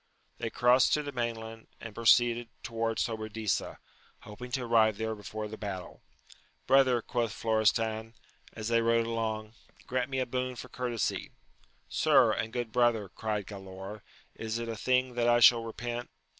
They crossed to the main land, and proceeded towards Sobradisa, hoping to arrive there before the battle. Brother, quoth Flo restan, as they rode along, grant me a boon for cour tesy. Sir, and good brother, cried Galaor, is it a thing that I shall repent